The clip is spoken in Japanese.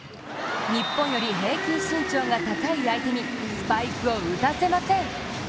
日本より平均身長が高い相手にスパイクを打たせません。